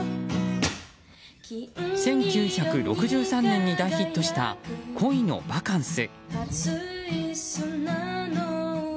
１９６３年に大ヒットした「恋のバカンス」。